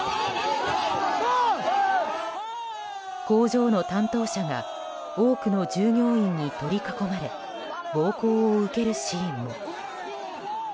工場の担当者が多くの従業員に取り囲まれ暴行を受けるシーンも。